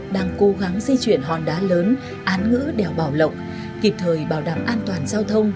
đang cố gắng di chuyển hòn đá lớn án ngữ đèo bảo lộc kịp thời bảo đảm an toàn giao thông